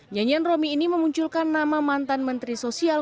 nyanyian romi ini memunculkan nama mantan menteri sosial